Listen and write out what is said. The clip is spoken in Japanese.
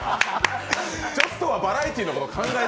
ちょっとはバラエティーのこと考えて。